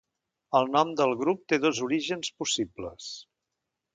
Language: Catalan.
El nom del grup té dos orígens possibles.